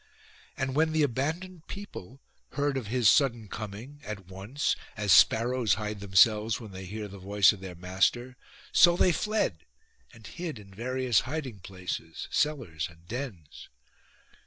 And when the abandoned people heard of his sudden coming, at once, as sparrows hide themselves when they hear the voice of their master, so they fled and hid in various hiding places, cellars, and dens.